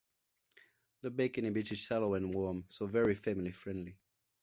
The bikini beach is shallow and warm - so very family friendly.